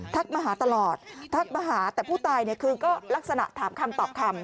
มาหาตลอดทักมาหาแต่ผู้ตายเนี่ยคือก็ลักษณะถามคำตอบคำ